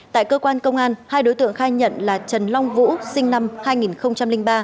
tại cơ quan công an hai đối tượng khai nhận là trần long vũ sinh năm hai nghìn ba